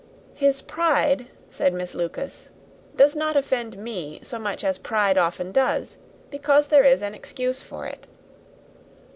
"His pride," said Miss Lucas, "does not offend me so much as pride often does, because there is an excuse for it.